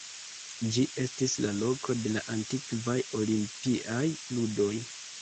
Ĝi estis la loko de la antikvaj olimpiaj ludoj.